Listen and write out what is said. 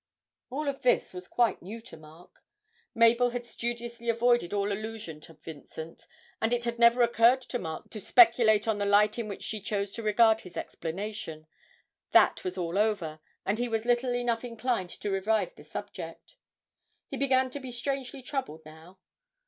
All of this was quite new to Mark; Mabel had studiously avoided all allusion to Vincent, and it had never occurred to Mark to speculate on the light in which she chose to regard his explanation that was all over, and he was little enough inclined to revive the subject. He began to be strangely troubled now.